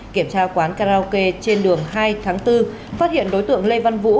kiểm tra quán karaoke trên đường hai tháng bốn phát hiện đối tượng lê văn vũ